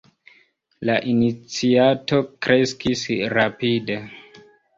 La iniciato kreskis rapide.